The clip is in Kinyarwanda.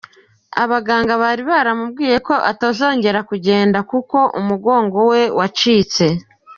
Abaganga bari baramubwiye ko atazongera kugenda kuko umugongo we wacitse.